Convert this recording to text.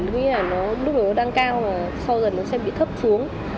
tức là lúc đó nó đang cao mà sau dần nó sẽ bị thấp xuống